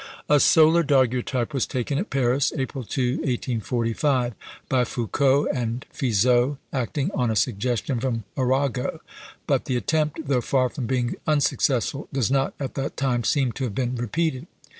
A solar daguerreotype was taken at Paris, April 2, 1845, by Foucault and Fizeau, acting on a suggestion from Arago. But the attempt, though far from being unsuccessful, does not, at that time, seem to have been repeated.